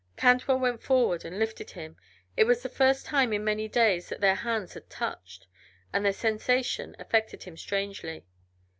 Cantwell went forward and lifted him. It was the first time in many days that their hands had touched, and the sensation affected him strangely.